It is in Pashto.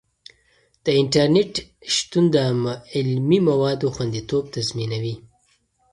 د انټرنیټ شتون د علمي موادو خوندیتوب تضمینوي.